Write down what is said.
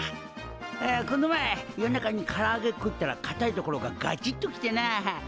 あこの前夜中にからあげ食ったらかたい所がガチッと来てなあ。